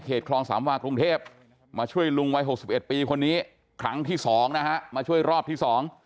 เขตคลองสามวากรุงเทพฯมาช่วยลุงวัย๖๑ปีคนนี้ครั้งที่๒นะฮะมาช่วยรอบที่๒